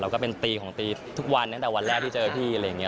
ก็เป็นตีของตีทุกวันตั้งแต่วันแรกที่เจอพี่อะไรอย่างนี้